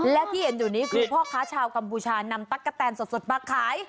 และที่เห็นอยู่นี้คือพ่อค้าชาวกัมพูชานำตั๊กกะแตนสดมาขาย